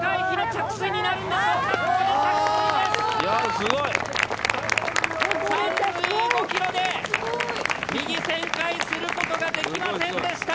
・すごい・３５ｋｍで右旋回することができませんでした。